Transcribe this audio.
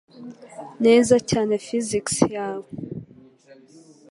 neza cyane Physics yawe